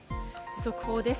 速報です。